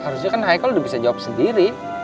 harusnya kan haikal udah bisa jawab sendiri